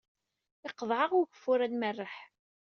Iqḍeɛ-aɣ ugeffur ad nmerreḥ.